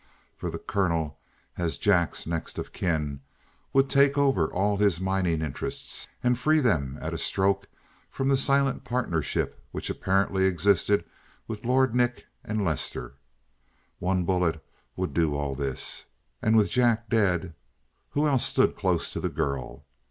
For the colonel, as Jack's next of kin, would take over all his mining interests and free them at a stroke from the silent partnership which apparently existed with Lord Nick and Lester. One bullet would do all this: and with Jack dead, who else stood close to the girl?